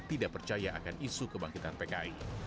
tidak percaya akan isu kebangkitan pki